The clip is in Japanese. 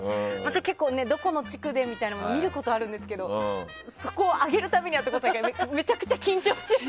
結構どこの地区でみたいなのを見ることがあるんですけどそこを上げるためにはってめちゃくちゃ緊張する。